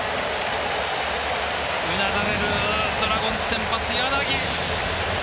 うなだれるドラゴンズ先発、柳。